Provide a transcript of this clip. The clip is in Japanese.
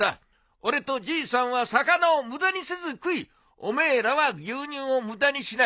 俺とじいさんは魚を無駄にせず食いお前らは牛乳を無駄にしない。